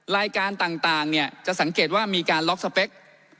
รายการต่างเนี่ยจะสังเกตว่ามีการล็อกสเปค